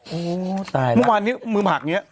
เมื่อวานนี้มือผักอย่างเงี้ย